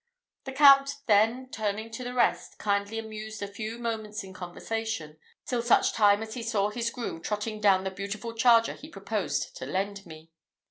The Count then, turning to the rest, kindly amused a few moments in conversation, till such time as he saw his groom trotting down the beautiful charger he proposed to lend me.